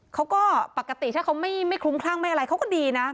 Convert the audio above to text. เขาก็ปกติถ้าเขาไม่คลุ้มคลั่งไม่อะไรเขาก็ดีนะ